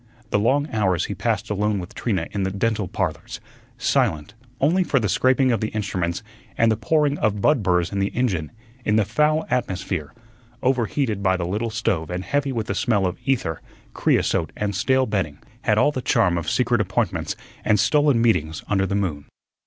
The long hours he passed alone with Trina in the "Dental Parlors," silent, only for the scraping of the instruments and the pouring of bud burrs in the engine, in the foul atmosphere, overheated by the little stove and heavy with the smell of ether, creosote, and stale bedding, had all the charm of secret appointments and stolen meetings under the moon.